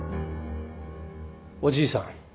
おじいさん。